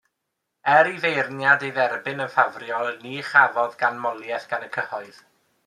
Er i feirniaid ei dderbyn yn ffafriol, ni chafodd ganmoliaeth gan y cyhoedd.